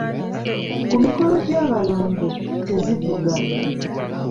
Ku mikolo gy’abalongo tezivuga.